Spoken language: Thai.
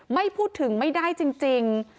ไม่พูดถึงไม่ได้จริง